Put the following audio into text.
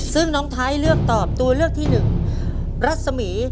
ซึ่งน้องไทยเลือกตอบตัวเลือกที่หนึ่งรัศมี